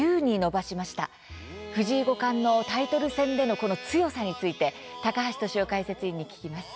藤井五冠のタイトル戦でのこの強さについて高橋俊雄解説委員に聞きます。